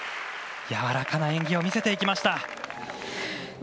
やわらかな演技を見せていきました。